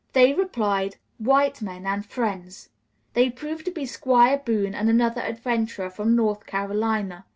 They replied, "White men and friends." They proved to be Squire Boone and another adventurer from North Carolina.